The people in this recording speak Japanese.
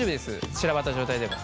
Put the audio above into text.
散らばった状態でも。